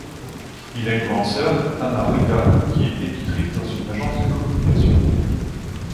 Il a une grande sœur, Anna-Riika qui est éditrice dans une agence de communication.